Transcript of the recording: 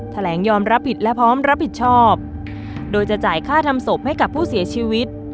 แถลงยอมรับผิดและพร้อมรับผิดชอบโดยจะจ่ายค่าทำศพให้กับผู้เสียชีวิต